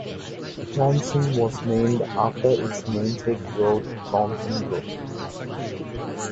Thomson was named after its namesake road, Thomson Road.